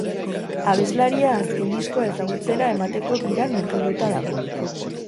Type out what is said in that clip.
Abeslaria azken diskoa ezagutzera emateko biran murgilduta dago.